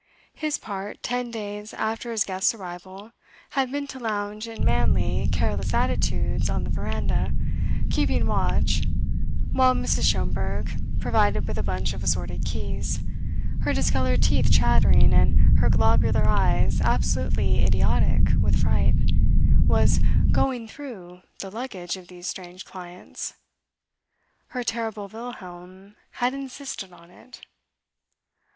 His part, ten days after his guests' arrival, had been to lounge in manly, careless attitudes on the veranda keeping watch while Mrs. Schomberg, provided with a bunch of assorted keys, her discoloured teeth chattering and her globular eyes absolutely idiotic with fright, was "going through" the luggage of these strange clients. Her terrible Wilhelm had insisted on it.